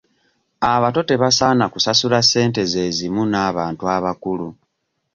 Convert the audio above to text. Abato tebasaana kusasula ssente ze zimu n'abantu abakulu.